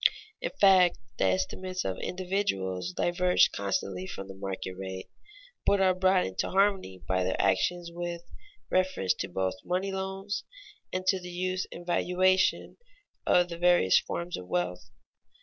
In fact, the estimates of individuals diverge constantly from the market rate, but are brought into harmony by their actions with reference both to money loans and to the use and valuation of the various forms of wealth.